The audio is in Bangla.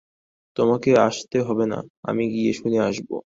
তোমাকে আসতে হবে না, আমি গিয়ে শুনে আসব।